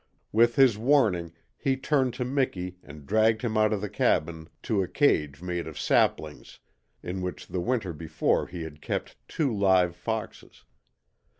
With his warning he turned to Miki and dragged him out of the cabin to a cage made of saplings in which the winter before he had kept two live foxes.